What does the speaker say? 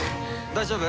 大丈夫？